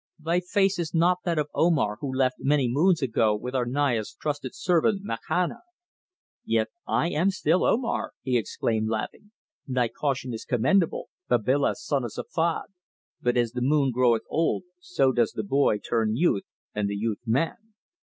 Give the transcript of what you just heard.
Thy face is not that of Omar who left many moons ago with our Naya's trusted servant Makhana." "Yet I am still Omar," he exclaimed, laughing. "Thy caution is commendable, Babila, son of Safad, but as the moon groweth old so does the boy turn youth, and the youth man."